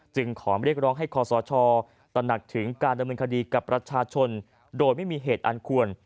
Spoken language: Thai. ขอเรียกร้องให้คอสชตระหนักถึงการดำเนินคดีกับประชาชนโดยไม่มีเหตุอันควร